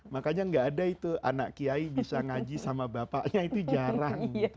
makanya gak ada itu anak kiai bisa ngaji sama bapaknya itu jarang